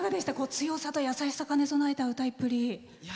強さと優しさ兼ね備えた歌いっぷり。